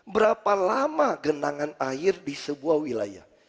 berapa lama genangan air di sebuah wilayah